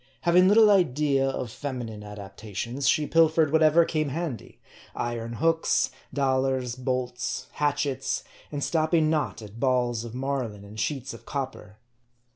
Having little idea of feminine adaptations, she pilfered whatever came handy : iron hooks, dollars, bolts, hatchets, and stopping not at balls of mar line and sheets of copper.